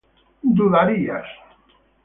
dudarías